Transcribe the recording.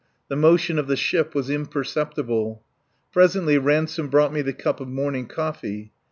The motion of the ship was imperceptible. Presently Ransome brought me the cup of morning coffee.